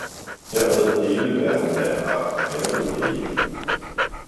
Der ved hele verden hvad jeg har, og jeg ved det ikke!